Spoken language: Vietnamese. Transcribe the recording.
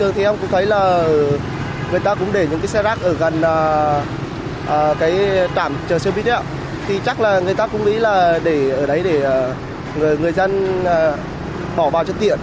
gần cái trạm chờ xe buýt đấy ạ thì chắc là người ta cũng nghĩ là để ở đấy để người dân bỏ vào cho tiện